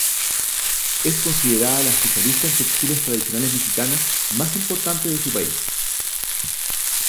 Es considerada la especialista en textiles tradicionales mexicanos más importante de su país.